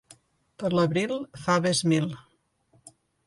Per l'abril, faves mil.